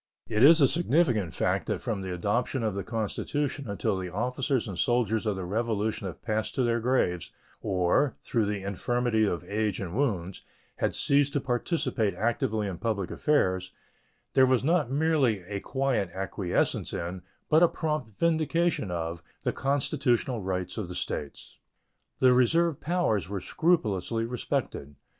It is a significant fact that from the adoption of the Constitution until the officers and soldiers of the Revolution had passed to their graves, or, through the infirmities of age and wounds, had ceased to participate actively in public affairs, there was not merely a quiet acquiescence in, but a prompt vindication of, the constitutional rights of the States. The reserved powers were scrupulously respected.